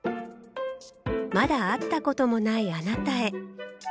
「まだ会ったこともないあなたへ」